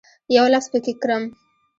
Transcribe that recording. یو لفظ پکښې کرم